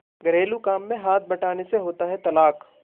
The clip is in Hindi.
घरेलू काम में हाथ बंटाने से होता है तलाक!